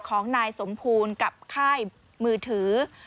ของนายสมภูลกับค่ายมือถือ